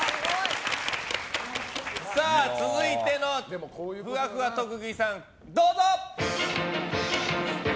続いてのふわふわ特技さんどうぞ。